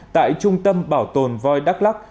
tại trung tâm bảo tồn voi đắk lắc